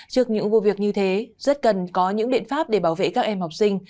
trước những vụ việc như thế rất cần có những biện pháp để bảo vệ các em học sinh